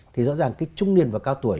thì rõ ràng cái trung niên và cao tuổi